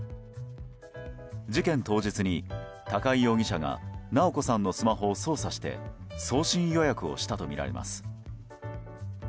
事件当日に、高井容疑者が直子さんのスマホを操作して送信予約をしたとみられます。